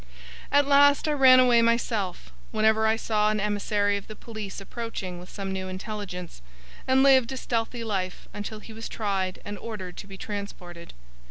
At last I ran away myself, whenever I saw an emissary of the police approaching with some new intelligence; and lived a stealthy life until he was tried and ordered to be transported.